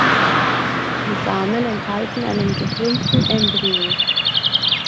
Die Samen enthalten einen gekrümmten Embryo.